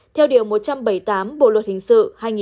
theo điều một trăm bảy mươi tám bộ luật hình sự hai nghìn một mươi năm